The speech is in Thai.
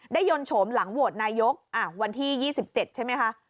ยนโฉมหลังโหวตนายกวันที่๒๗ใช่ไหมคะ